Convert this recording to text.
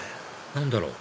何だろう？